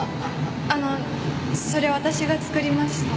あのそれ私が作りました。